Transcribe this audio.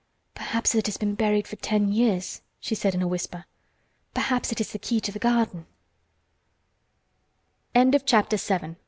"Perhaps it has been buried for ten years," she said in a whisper. "Perhaps it is the key to the garden!" CHAPTER VIII. THE R